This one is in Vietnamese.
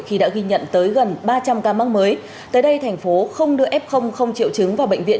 khi đã ghi nhận tới gần ba trăm linh ca mắc mới tới đây thành phố không đưa f không triệu chứng vào bệnh viện